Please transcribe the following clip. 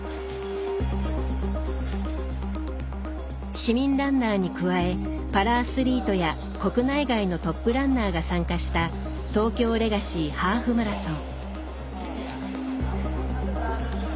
市民ランナーに加えパラアスリートや国内外のトップランナーが参加した東京レガシーハーフマラソン。